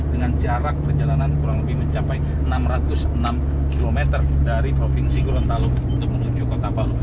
dengan jarak perjalanan kurang lebih mencapai enam ratus enam km dari provinsi gorontalo untuk menuju kota palu